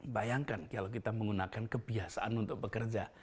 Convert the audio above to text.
bayangkan kalau kita menggunakan kebiasaan untuk bekerja